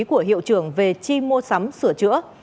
của hiệu trường về chi mua sắm sửa chữa